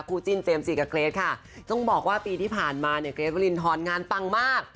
จิ้นเจมส์จีกับเกรทค่ะต้องบอกว่าปีที่ผ่านมาเนี่ยเกรทวรินทรงานปังมาก